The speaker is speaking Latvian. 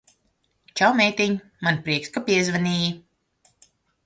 Čau, meitiņ! Man prieks, ka piezvanīji.